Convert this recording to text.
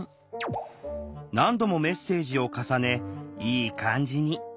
何度もメッセージを重ねいい感じに。